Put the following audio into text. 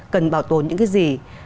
cần bảo tồn những cái gì